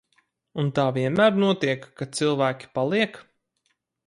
Un tā vienmēr notiek, ka cilvēki paliek?